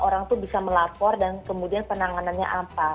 orang itu bisa melapor dan kemudian penanganannya apa